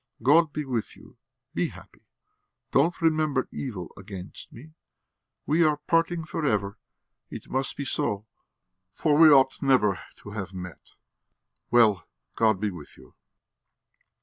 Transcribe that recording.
"God be with you; be happy. Don't remember evil against me. We are parting forever it must be so, for we ought never to have met. Well, God be with you."